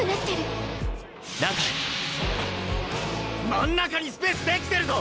真ん中にスペース出来てるぞ！